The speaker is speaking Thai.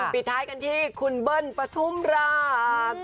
ปิดท้ายกันที่คุณเบิ้ลปฐุมราช